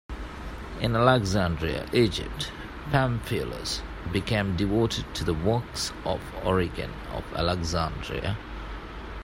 In Alexandria, Egypt, Pamphilus became devoted to the works of Origen of Alexandria.